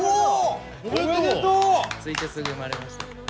着いてすぐ生まれました。